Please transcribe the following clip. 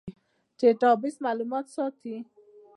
ډیټابیس معلومات ساتي